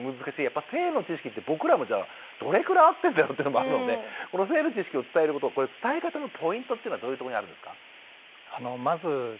やっぱ性の知識って僕らもじゃあどれくらい合ってんだろうっていうのがあるのでこの性の知識を伝えること伝え方のポイントっていうのはどういうところにあるんですか？